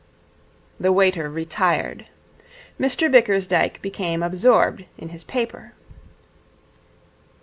The waiter retired. Mr Bickersdyke became absorbed in his paper.